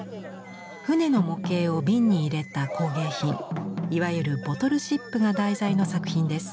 船の模型を瓶に入れた工芸品いわゆるボトルシップが題材の作品です。